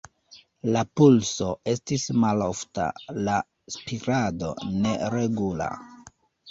La pulso estis malofta, la spirado neregula.